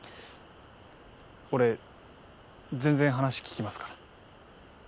俺全然話聞きますから。